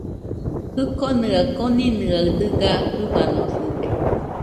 Jikonɨa koninɨaɨ dɨga jɨfanosɨde